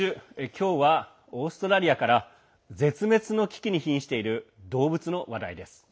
今日は、オーストラリアから絶滅の危機にひんしている動物の話題です。